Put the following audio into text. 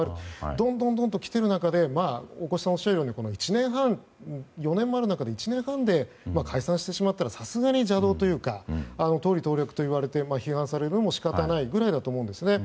どんどん来ている中で大越さんがおっしゃるように４年もある中で１年半で解散してしまったらさすがに邪道といいますか党利党略と批判されても仕方ないと思うんですね。